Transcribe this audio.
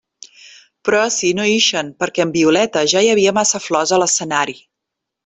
Però ací no ixen, perquè amb Violeta ja hi havia massa flors a l'escenari.